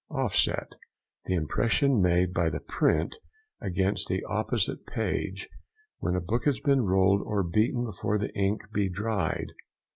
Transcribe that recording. OFF SET.—The impression made by the print against the opposite page, when a book has been rolled or beaten before the ink be dried.